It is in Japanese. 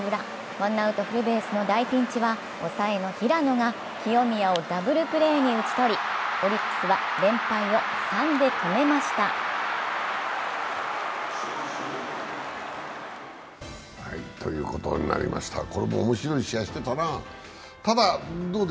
ワンアウトフルベースの大ピンチは抑えの平野が清宮をダブルプレーに打ち取りオリックスは連敗を３で止めましたということになりました、これも面白い試合してたな。